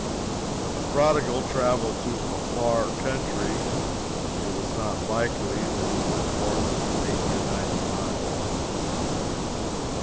When the Prodigal traveled to "a far country," it is not likely that he went more than eighty or ninety miles.